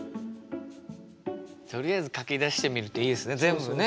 とりあえず書き出してみるといいですね全部ね。